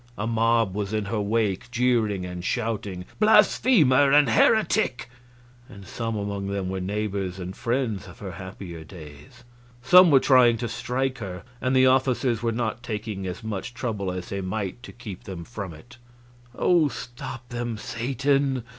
A mob was in her wake, jeering and shouting, "Blasphemer and heretic!" and some among them were neighbors and friends of her happier days. Some were trying to strike her, and the officers were not taking as much trouble as they might to keep them from it. "Oh, stop them, Satan!"